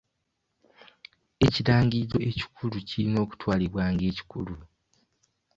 Ekirangiriro ekikulu kirina okutwalibwa ng'ekikulu.